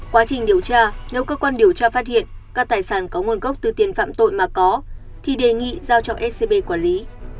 quá trình điều tra nếu cơ quan điều tra phát hiện các tài sản có nguồn gốc từ tiền phạm tội mà có thì đề nghị giao cho scb quản lý